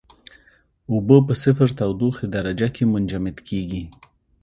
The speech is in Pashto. اوبه په صفر تودوخې درجه کې منجمد کیږي.